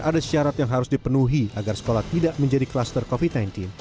ada syarat yang harus dipenuhi agar sekolah tidak menjadi kluster covid sembilan belas